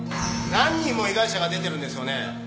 何人も被害者が出てるんですよね？